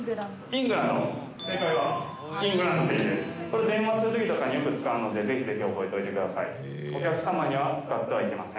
これ電話するときとかによく使うのでぜひぜひ覚えといてください。